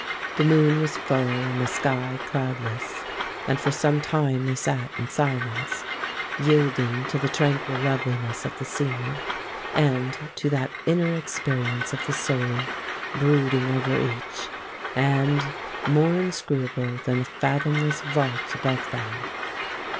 The moon was full and the sky cloudless, and for some time they sat in silence, yielding to the tranquil loveliness of the scene and to that inner experience of the soul brooding over each, and more inscrutable than the fathomless vault above them.